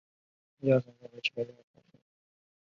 到达犬星后才得知波奇原来是大学的教授。